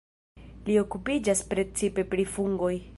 Li okupiĝas precipe pri fungoj.